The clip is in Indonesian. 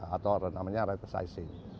atau namanya reticizing